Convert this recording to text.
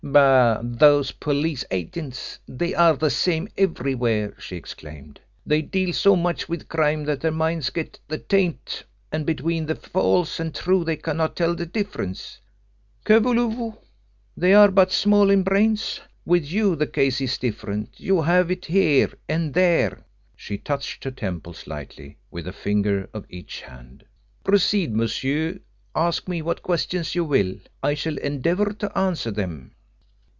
"Bah! those police agents they are the same everywhere," she exclaimed. "They deal so much with crime that their minds get the taint, and between the false and true they cannot tell the difference. Que voulez vous? They are but small in brains. With you, the case is different. You have it here and there." She touched her temples lightly with a finger of each hand. "Proceed, monsieur: ask me what questions you will. I shall endeavour to answer them."